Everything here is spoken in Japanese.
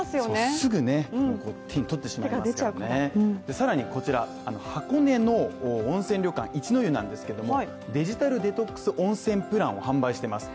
さらにこちらの箱根の温泉旅館一の湯なんですけども、デジタルデトックス温泉プランを販売してます